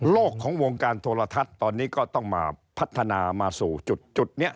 ของวงการโทรทัศน์ตอนนี้ก็ต้องมาพัฒนามาสู่จุดนี้